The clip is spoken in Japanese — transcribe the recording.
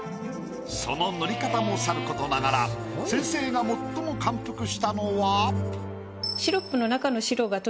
その塗り方もさる事ながら先生が最も感服したのは？